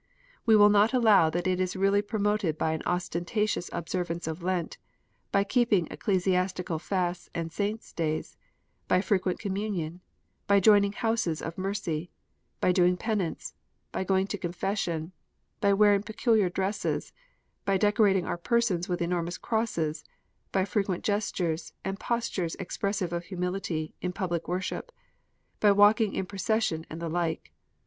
We will not allow that it is really promoted by an ostentatious observance of Lent, by keeping Ecclesiastical fasts and saints days, by frequent communion, by joining Houses of mercy, by doing penance, by going to confession, by wearing peculiar dresses, by decorating our persons with enormous crosses, by frequent gestures, and postures expressive of humility, in public worship, by walking in procession and the like.